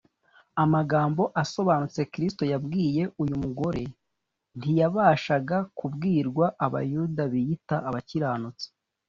Amagambo asobanutse Kristo yabwiye uyu mugore ntiyabashaga kubwirwa Abayuda biyitaga abakiranutsi